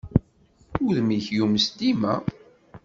Udem-ik yumes dima.